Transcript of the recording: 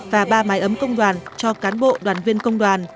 và ba mái ấm công đoàn cho cán bộ đoàn viên công đoàn